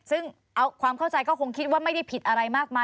ซึ่งเอาความเข้าใจก็คงคิดว่าไม่ได้ผิดอะไรมากมาย